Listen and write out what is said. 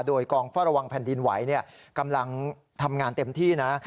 โดยกองเฝ้าระวังแผ่นดินไหวกำลังทำงานเต็มที่นะ